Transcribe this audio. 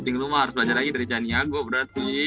harus belajar lagi dari cian yago berarti